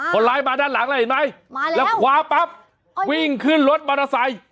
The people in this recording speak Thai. คนร้ายมาด้านหลังแล้วเห็นไหมมาแล้วแล้วคว้าปั๊บวิ่งขึ้นรถมอเตอร์ไซค์